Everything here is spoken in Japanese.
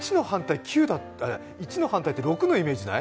１の反対って６のイメージない？